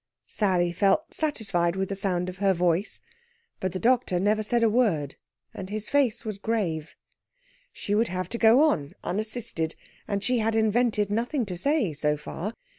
Sally felt satisfied with the sound of her voice. But the doctor said never a word, and his face was grave. She would have to go on, unassisted, and she had invented nothing to say, so far.